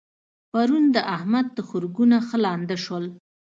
پرون د احمد تخرګونه ښه لانده شول.